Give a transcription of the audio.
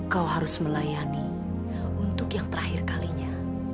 kau harus melayani untuk yang terakhir kalinya